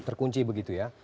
terkunci begitu ya